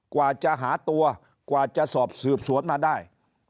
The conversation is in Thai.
กว่าจะหาตัวกว่าจะสอบสืบสวนมาได้